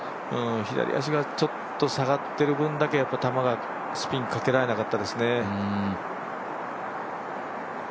左足がちょっと下がってる分だけ球がスピンかけられなかったですね。